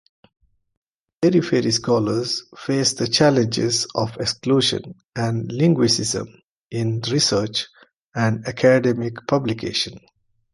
Periphery scholars face the challenges of exclusion and linguicism in research and academic publication.